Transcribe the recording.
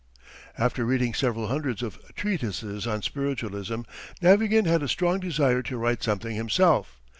After reading several hundreds of treatises on spiritualism Navagin had a strong desire to write something himself.